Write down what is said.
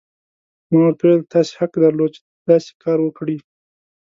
ما ورته وویل: تاسي حق درلود، چې داسې کار وکړي.